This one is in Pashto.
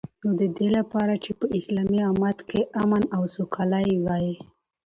نو ددی لپاره چی په اسلامی امت کی امن او سوکالی وی